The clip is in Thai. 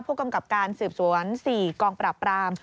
ผู้กำกับการสืบสวน๔กองปราบราม